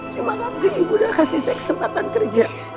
ya makasih ibu udah kasih saya kesempatan kerja